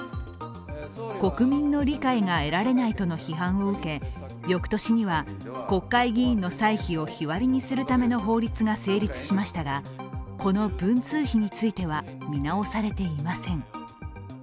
国民の理解が得られないとの批判を受け、翌年には、国会議員の歳費を日割りにするための法律が成立しましたが、この文通費については見直されていません。